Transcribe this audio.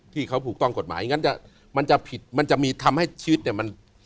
ที่เขาถูกต้องกฎหมายงั้นมันจะผิดมันจะมีทำให้ชีวิตเนี่ยมัน